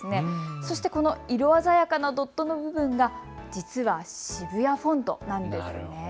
そしてこの色鮮やかなドットの部分が実は、シブヤフォントなんです。